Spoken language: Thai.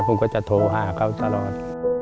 ผมก็จะโทรหาเขาตลอด